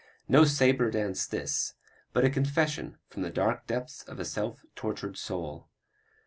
No "sabre dance" this, but a confession from the dark depths of a self tortured soul.